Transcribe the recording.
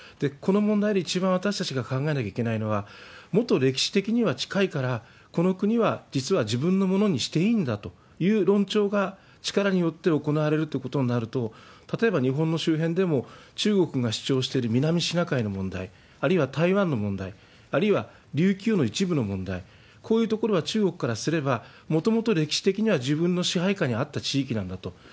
この問題で一番私たちが考えなきゃいけないのは、元歴史的には近いから、この国は実は自分のものにしていいんだという論調が力によって行われるということになると、例えば日本の周辺でも、中国が主張してる南シナ海の問題、あるいは台湾の問題、あるいは琉球の一部の問題、こういうところは中国からすれば、もともと歴史的には自分の支配下にあった地域なんだと。